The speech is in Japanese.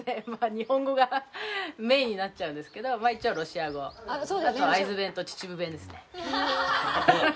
日本語がメインになっちゃうんですけど一応ロシア語あと会津弁と秩父弁ですね。